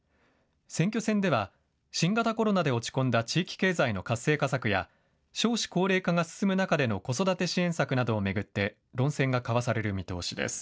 選挙戦では新型コロナで落ち込んだ地域経済の活性化策や少子高齢化が進む中での子育て支援策などを巡って論戦が交わされる見通しです。